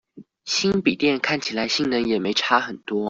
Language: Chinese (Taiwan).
新筆電看起來性能也沒差很多